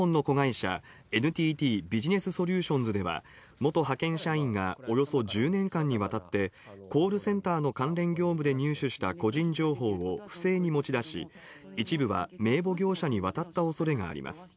ＮＴＴ西日本の子会社、ＮＴＴビジネスソリューションズでは、元派遣社員がおよそ１０年間にわたってコールセンターの関連業務で入手した個人情報を不正に持ち出し、一部は名簿業者に渡った恐れがあります。